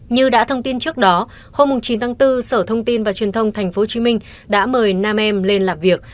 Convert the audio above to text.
như đã thông tin trước đó hôm chín tháng bốn sở thông tin và truyền thông tp hcm đã mời nam em lên làm việc